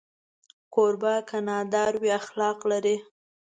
کوربه که نادار وي، اخلاق لري.